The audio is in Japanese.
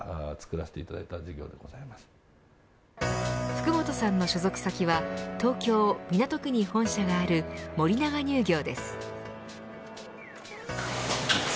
福本さんの所属先は東京、港区に本社がある森永乳業です。